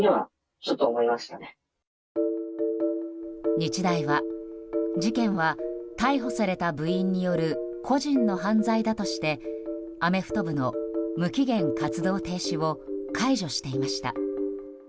日大は事件は逮捕された部員による個人の犯罪だとしてアメフト部の無期限活動停止を解除していました。